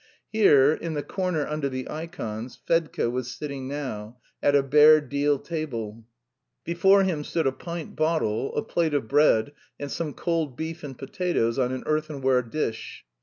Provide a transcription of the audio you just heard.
Here, in the corner under the ikons, Fedka was sitting now, at a bare deal table. Before him stood a pint bottle, a plate of bread, and some cold beef and potatoes on an earthenware dish.